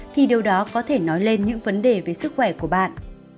thì điều đó có thể nói lên những vấn đề về sức khỏe của bạn